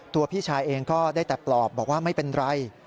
พี่ชายเองก็ได้แต่ปลอบบอกว่าไม่เป็นไร